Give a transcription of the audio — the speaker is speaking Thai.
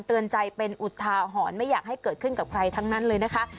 เตือนใจเป็นอุทาหรณ์ไม่อยากให้เกิดขึ้นกับใครทั้งนั้นเลยนะคะ